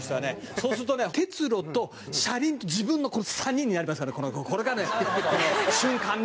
そうするとね鉄路と車輪と自分の３人になりますからこれがね。瞬間ね。